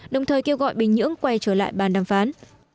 đồng thời kêu gọi bình nhưỡng quay trở lại bàn đàm phán